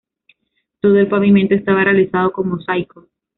Todo el pavimento estaba realizado con mosaico.